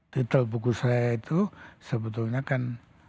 titel buku saya itu sebetulnya kan